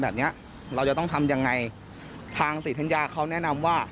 แบบเนี้ยเราจะต้องทำยังไงทางศรีธัญญาเขาแนะนำว่า